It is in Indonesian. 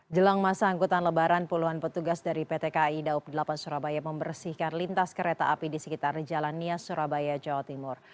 jelang masa angkutan lebaran puluhan petugas dari pt kai daup delapan surabaya membersihkan lintas kereta api di sekitar jalan nias surabaya jawa timur